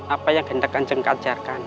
apa yang hendak kanjeng kajarkan